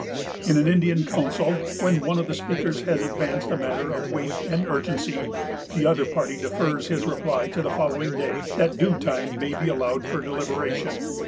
In an Indian council, when one of the speakers has advanced a matter of weight and urgency, the other party defers his reply to the following day, that due time may be allowed for deliberation.